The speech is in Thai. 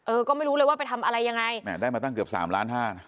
เออก็ไม่รู้เลยว่าไปทำอะไรยังไงแม่ได้มาตั้งเกือบสามล้านห้านะ